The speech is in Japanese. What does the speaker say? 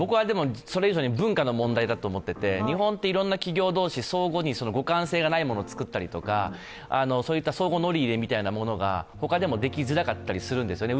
それ以上に文化の問題だと思っていて、日本って企業同士、相互に互換性がないものをつくったりとか相互乗り入れみたいなものがほかでもできづらかったりするんですね。